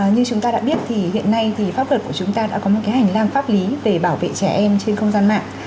như chúng ta đã biết thì hiện nay thì pháp luật của chúng ta đã có một cái hành lang pháp lý để bảo vệ trẻ em trên không gian mạng